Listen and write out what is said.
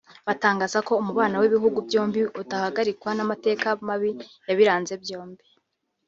batangaza ko umubano w’ibihugu byombi utahagarikwa n’amateka mabi yabiranze byombi